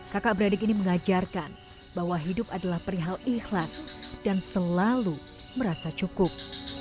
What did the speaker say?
kakak beradik ini mengajarkan bahwa hidup adalah perihal ikhlas dan selalu merasa cukup